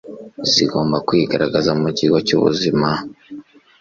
zigomba kwigaragaza mu kigo cyubuzima